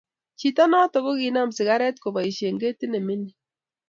Chito noto kokinam sigaret koboishe ketit ne mingin